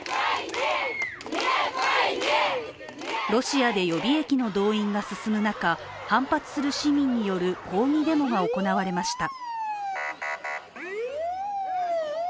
ロシアで予備役の動員が進む中反発する市民による抗議デモが行われました。